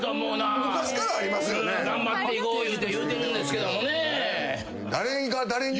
「頑張っていこう言うて言うてるんですけどもね」